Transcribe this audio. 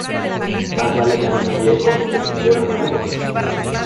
Más vale camino viejo que sendero nuevo.